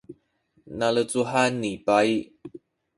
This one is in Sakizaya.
nalecuhan ni bayi